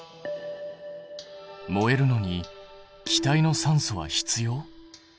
燃えるのに気体の酸素は必要？